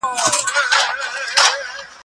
رسول الله خپلو صحابه وو ته دغه قصې بيانولې.